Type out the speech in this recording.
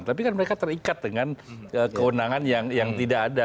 tapi kan mereka terikat dengan kewenangan yang tidak ada